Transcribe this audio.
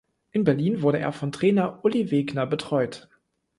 In Berlin wurde er von Trainer Ulli Wegner betreut.